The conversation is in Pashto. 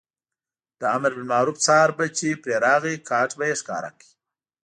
د امربالمعروف څار به چې پرې راغی کارټ به یې ښکاره کړ.